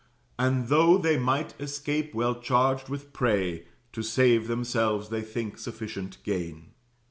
And though they might escape well charged with prey, To save themselves they think sufficient gain.